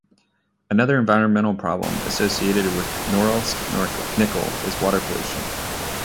Another environmental problem associated with Norilsk Nickel is water pollution.